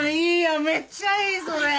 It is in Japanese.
めっちゃいいそれ！